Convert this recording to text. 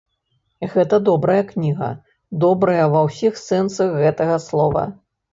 Гэта добрая кніга, добрая ва ўсіх сэнсах гэтага слова.